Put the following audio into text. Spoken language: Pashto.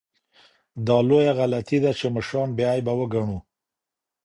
دا لویه غلطي ده چي مشران بې عیبه وګڼو.